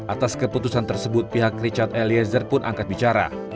atas keputusan tersebut pihak richard eliezer pun angkat bicara